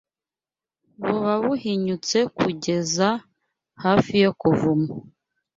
buba buhinyutse bugeze hafi yo kuvumwa